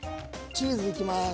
チーズいきます。